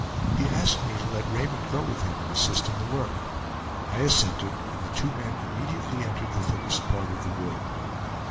He asked me to let Raymond go with him and assist in the work. I assented, and the two men immediately entered the thickest part of the wood.